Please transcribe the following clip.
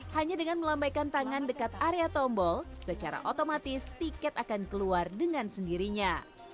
hanya dengan melambaikan tangan dekat area tombol secara otomatis tiket akan keluar dengan sendirinya